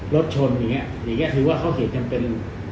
รถชนอย่างเงี้ยอย่างเงี้ยถือว่าเขาเขตกันเป็น